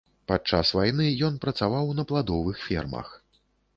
Падчас вайны ён працаваў на пладовых фермах.